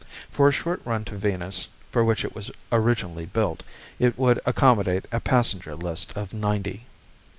For a short run to Venus, for which it was originally built, it would accommodate a passenger list of ninety.